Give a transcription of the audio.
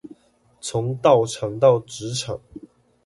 從道場到職場